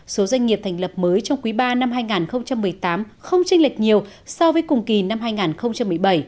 số doanh nghiệp thành lập mới trong quý ba năm hai nghìn một mươi tám không tranh lệch nhiều so với cùng kỳ năm hai nghìn một mươi bảy